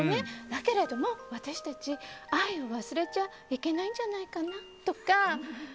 だけれども私たち愛を忘れちゃいけないんじゃないかなとか。